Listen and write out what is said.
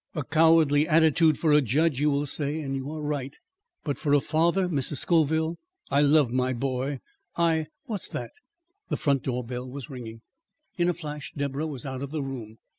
A cowardly attitude for a judge you will say, and you are right; but for a father Mrs. Scoville, I love my boy. I What's that?" The front door bell was ringing. In a flash Deborah was out of the room.